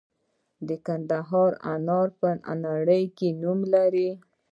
د کندهار انار په نړۍ کې نوم لري.